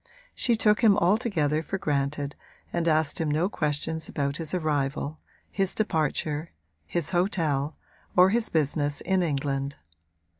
She took him altogether for granted and asked him no questions about his arrival, his departure, his hotel or his business in England.